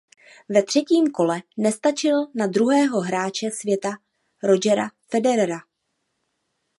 Ve třetím kole nestačil na druhého hráče světa Rogera Federera.